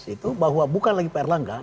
itu bahwa bukan lagi pak air langga